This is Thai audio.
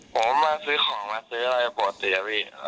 ผมมาซื้อของมาซื้ออะไรก็โปรดเสียพี่